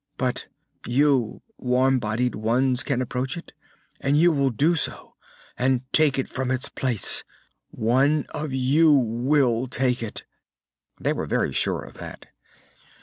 But you warm bodied ones can approach it. And you will do so, and take it from its place. One of you will take it!" They were very sure of that.